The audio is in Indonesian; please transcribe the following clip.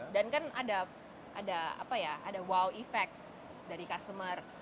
dan kan ada wow effect dari customer